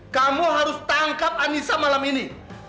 kamu harus tangkap anissa malam ini